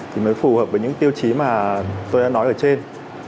thì mới phù hợp với những tiêu chí mà tôi đã nói ở trên